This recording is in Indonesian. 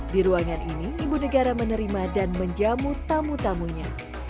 di ruangan ini ibu negara menerima dan menjamu tamu tamunya